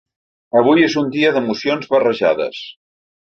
Avui és un dia d’emocions barrejades.